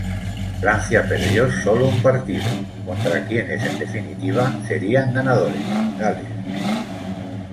Francia perdió sólo un partido; contra quienes en definitiva serían ganadores, Gales.